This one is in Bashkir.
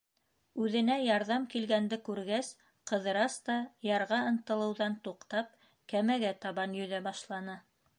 Үҙенә ярҙам килгәнде күргәс, Ҡыҙырас та, ярға ынтылыуҙан туҡтап, кәмәгә табан йөҙә башланы.